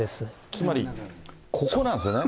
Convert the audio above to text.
つまり、ここなんですよね。